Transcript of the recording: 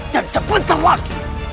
dan sebentar lagi